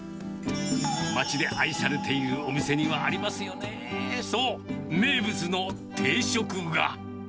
町で愛されているお店にはありますよね、そう、名物の定食が。